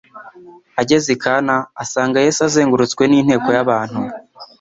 Ageze i Kana, asanga Yesu azengurutswe n'inteko y'abantu.